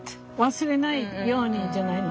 忘れないようにじゃないの？